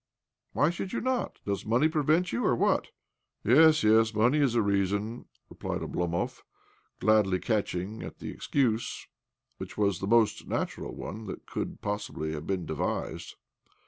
" Why should you not ? Does money prevent you, or what?" " Yes, yes ; money is the reason," replied Oblomov, gladly catching at the excuse, which was the most natural one that could possibly have been devised.